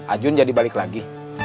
ajun jadi balik lagi